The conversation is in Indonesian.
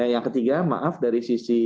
yang ketiga maaf dari sisi